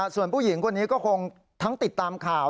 ส่วนผู้หญิงคนนี้ก็คงทั้งติดตามข่าว